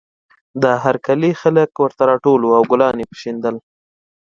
د هر کلي خلک ورته راټول وو او ګلان یې شیندل